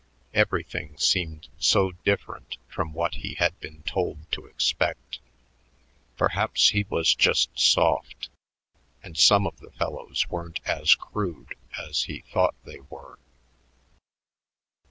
Everything seemed so different from what he had been told to expect. Perhaps he was just soft and some of the fellows weren't as crude as he thought they were.